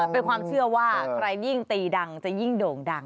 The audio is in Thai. เป็นความเชื่อว่าใครยิ่งตีดังจะยิ่งโด่งดัง